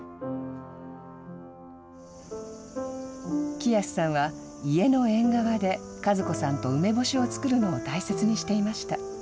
喜安さんは、家の縁側で、佳津子さんと梅干しを作るのを大切にしていました。